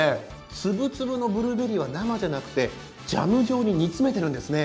つぶつぶのブルーベリーは生じゃなくてジャム状に煮詰めてるんですね。